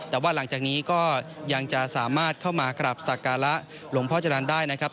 แต่ว่าหลังจากนี้ก็ยังจะสามารถเข้ามากราบสักการะหลวงพ่อจรรย์ได้นะครับ